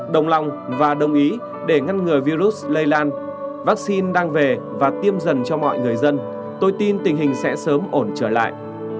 đồng lòng và đồng ý để ngăn ngừa virus lây lan vaccine đang về và tiêm dần cho mọi người dân tôi tin tình hình sẽ sớm ổn trở lại